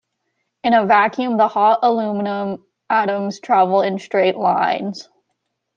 In a vacuum, the hot aluminum atoms travel in straight lines.